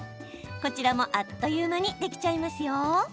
こちらも、あっという間にできちゃいますよ。